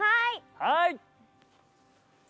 はい！